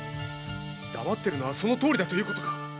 黙ってるのはそのとおりだということか！？